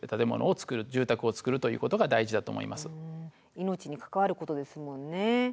命に関わることですもんね。